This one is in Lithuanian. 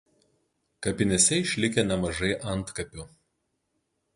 Kapinėse išlikę nemažai antkapių.